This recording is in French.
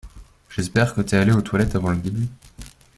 J'espère que t'es allé aux toilettes avant le début.